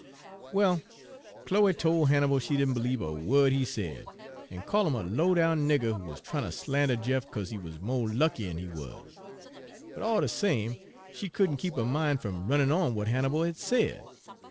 "Well, Chloe tol' Hannibal she didn' b'liebe a wo'd he said, en call' 'im a lowdown nigger, who wuz tryin' ter slander Jeff 'ca'se he wuz mo' luckier'n he wuz. But all de same, she couldn' keep her min' fum runnin' on w'at Hannibal had said.